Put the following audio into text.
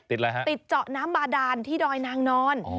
อะไรฮะติดเจาะน้ำบาดานที่ดอยนางนอน